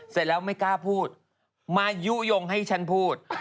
เสร็จแล้วไม่กล้าพูดมายุโยงให้ฉันพูด